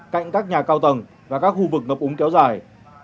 cạnh các nhà cao tầng và các khu vực ngập úng kéo dài